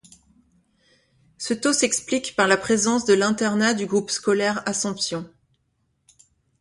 Ce taux s'explique par la présence de l'internat du groupe scolaire Assomption.